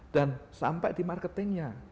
dan sampai di marketingnya